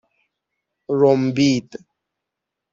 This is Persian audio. رُمبید